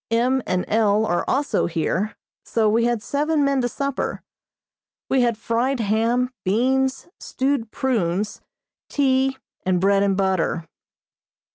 M. and L. are also here, so we had seven men to supper. We had fried ham, beans, stewed prunes, tea, and bread and butter.